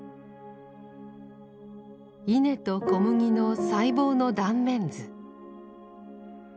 稲と小麦の細胞の断面図。